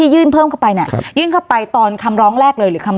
เยี่ยมไปตอนคำร้องแรก